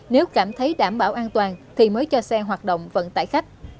nếu cảm thấy đảm bảo an toàn thì mới cho xe hoạt động vận tải khách